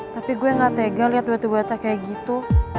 tapi gue gak tega liat batu bata kayak gitu